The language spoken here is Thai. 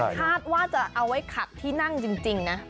คาดว่าจะเอาไว้ขัดที่นั่งจริงนะ